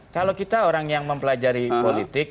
kalau kita orang yang mempelajari politik